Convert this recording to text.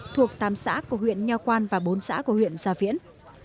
thuộc tám xã của huyện nho quang và bốn xã của huyện sa viễn